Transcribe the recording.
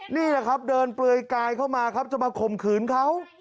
นี่แหละครับเดินเปลือยกายเข้ามาครับจะมาข่มขืนเขา